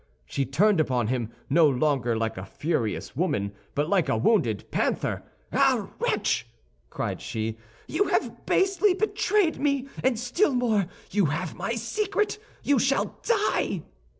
She turned upon him, no longer like a furious woman, but like a wounded panther. "Ah, wretch!" cried she, "you have basely betrayed me, and still more, you have my secret! You shall die."